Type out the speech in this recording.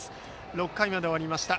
６回まで終わりました。